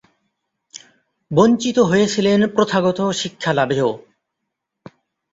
বঞ্চিত হয়েছিলেন প্রথাগত শিক্ষালাভেও।